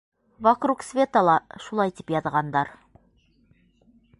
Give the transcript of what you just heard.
«Вокруг света»ла шулай тип яҙғандар.